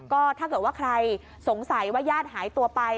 ก็ถ้าเกิดว่าใครสงสัยว่าญาติหายตัวไป